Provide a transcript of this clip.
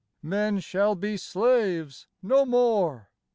Men shall be slaves no more!